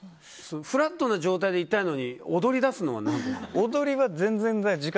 フラットな状態でいたのに踊り出すのは何で？